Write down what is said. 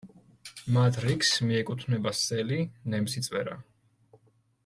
მათ რიგს მიეკუთვნება სელი, ნემსიწვერა.